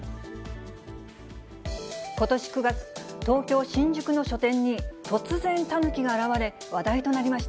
ことし９月、東京・新宿の書店に、突然タヌキが現れ話題となりました。